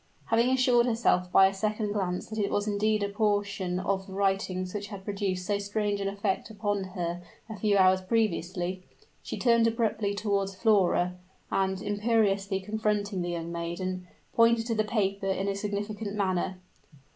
Having assured herself by a second glance that it was indeed a portion of the writings which had produced so strange an effect upon her a few hours previously, she turned abruptly toward Flora; and, imperiously confronting the young maiden, pointed to the paper in a significant manner.